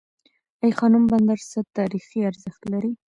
ای خانم بندر څه تاریخي ارزښت لري؟